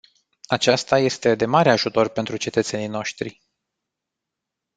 Aceasta este de mare ajutor pentru cetățenii noștri.